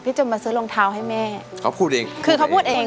จนมาซื้อรองเท้าให้แม่เขาพูดเองคือเขาพูดเอง